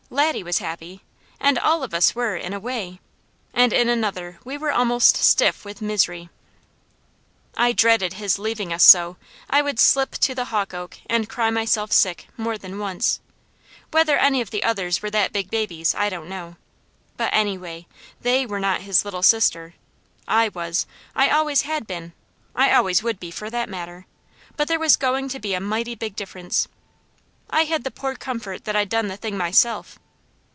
Laddie was happy, and all of us were, in a way; and in another we were almost stiff with misery. I dreaded his leaving us so, I would slip to the hawk oak and cry myself sick, more than once; whether any of the others were that big babies I don't know; but anyway, THEY were not his Little Sister. I was. I always had been. I always would be, for that matter; but there was going to be a mighty big difference. I had the poor comfort that I'd done the thing myself.